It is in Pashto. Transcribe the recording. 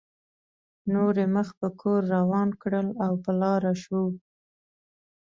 نور یې مخ په کور روان کړل او په لاره شو.